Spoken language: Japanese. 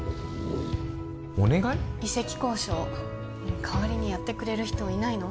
移籍交渉代わりにやってくれる人はいないの？